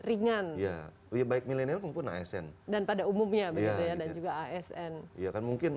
iya lebih baik milenialnya pun asn dan pada umumnya begitu ya dan juga asn iya kan mungkin